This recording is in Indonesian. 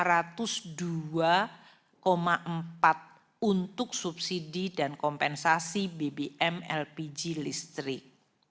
jadi lima ratus dua empat triliun untuk subsidi dan kompensasi bbm lpg listrik